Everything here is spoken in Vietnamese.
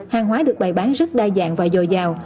hàng hóa được bày bán rất đa dạng và dồi dào